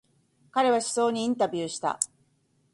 彼は首相にインタビューした。